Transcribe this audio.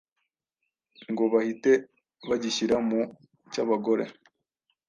ngo bahite bagishyira mu cy’abagore,